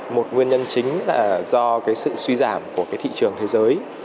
một nguyên nhân chính là do cái sự suy giảm của cái thị trường thế giới